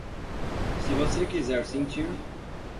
Se você quiser sentir